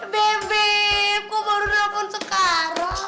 bebe kok baru nelfon sekarang